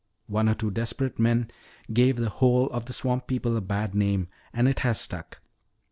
One or two desperate men gave the whole of the swamp people a bad name and it has stuck.